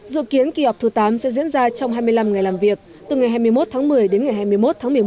dự kiến kỳ họp thứ tám sẽ diễn ra trong hai mươi năm ngày làm việc từ ngày hai mươi một tháng một mươi đến ngày hai mươi một tháng một mươi một